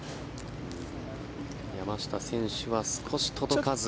山下選手は少し届かず。